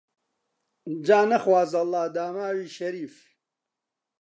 جا نەخوازەڵا داماوی شەریف